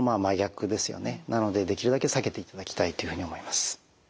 なのでできるだけ避けていただきたいっていうふうに思います。